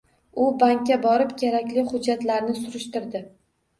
U bankka borib kerakli hujjatlarni surishtirdi.